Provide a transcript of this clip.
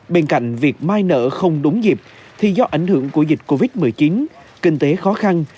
bên cạnh việc mai nợ không đúng dịp thì do ảnh hưởng của dịch covid một mươi chín kinh tế khó khăn